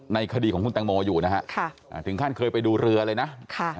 คดีของคุณแตงโมอยู่นะฮะถึงขั้นเคยไปดูเรือเลยนะ